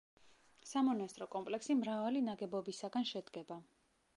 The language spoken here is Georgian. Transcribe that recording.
სამონასტრო კომპლექსი მრავალი ნაგებობისაგან შედგება.